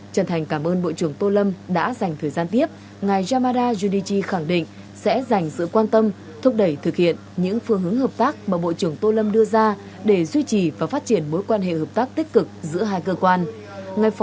trần thành cảm ơn bộ trưởng tô lâm đã dành thời gian tiếp ngài yamada yudichi khẳng định sẽ dành sự quan tâm thúc đẩy thực hiện những phương hướng hợp tác mà bộ trưởng tô lâm đưa ra để duy trì và phát triển mối quan hệ hợp tác tích cực giữa hai cơ quan